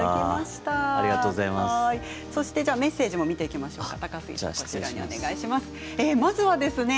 メッセージも見ていきましょう。